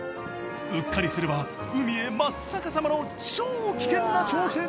うっかりすれば海へ真っ逆さまの超危険な挑戦なのだ。